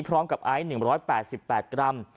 พร้อมกับไอซ์๑๘๘กรัม